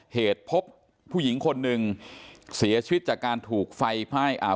เหตุพบผู้หญิงคนหนึ่งเสียชีวิตจากการถูกไฟไหม้อ่า